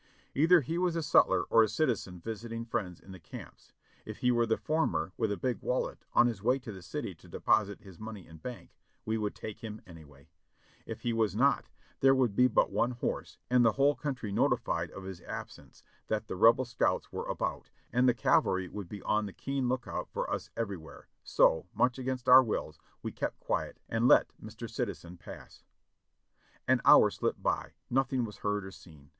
Either he was a sutler or a citizen visiting friends in the camps. If he were the former with a big wallet, on his way to the city to deposit his money in bank, we would take him anyway; if he was not, there would be but one horse, and the whole country notified of his absence, that the Rebel scouts were about, and the cavalry would be on the keen lookout for us everywhere, so, much against our wills, we kept quiet and let Mr. Citizen pass. An hour slipped by, nothing was heard or seen.